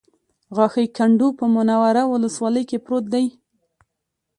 غاښی کنډو په منوره ولسوالۍ کې پروت دی